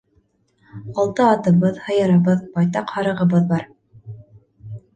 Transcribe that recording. Алты атыбыҙ, һыйырыбыҙ, байтаҡ һарығыбыҙ бар.